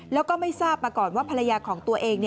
แล้วก็ไม่ทราบมาก่อนว่าภรรยาของตัวเอง